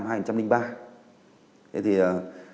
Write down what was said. nói chung này thì huyện cũng đã rất là nbian và buôn việc